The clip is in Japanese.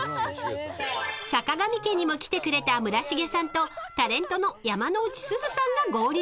［さかがみ家にも来てくれた村重さんとタレントの山之内すずさんが合流］